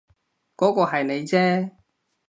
嗰個係你啫